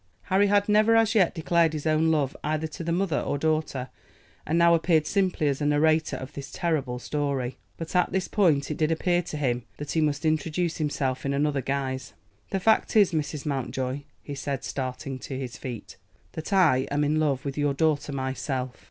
Harry had never as yet declared his own love either to the mother or daughter, and now appeared simply as a narrator of this terrible story. But at this point it did appear to him that he must introduce himself in another guise. "The fact is, Mrs. Mountjoy," he said, starting to his feet, "that I am in love with your daughter myself."